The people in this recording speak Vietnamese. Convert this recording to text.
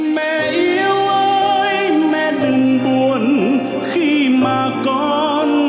mẹ yêu ơi mẹ đừng buồn khi mà con